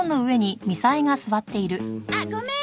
あっごめん。